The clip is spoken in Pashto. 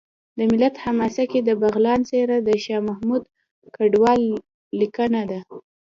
د ملت حماسه کې د بغلان څېره د شاه محمود کډوال لیکنه ده